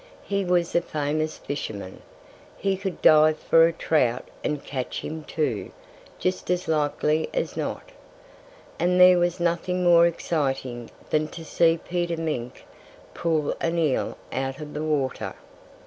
He was a famous fisherman. He could dive for a trout and catch him too, just as likely as not. And there was nothing more exciting than to see Peter Mink pull an eel out of the water.